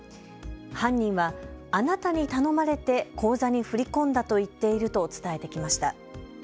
犯人はあなたに頼まれて口座に振り込んだと言っていると伝えてきました。